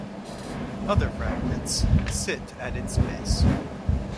Other fragments sit at its base.